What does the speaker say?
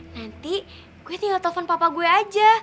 nanti gue tinggal telepon papa gue aja